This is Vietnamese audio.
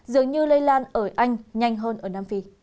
dường như lây lan ở anh nhanh hơn ở nam phi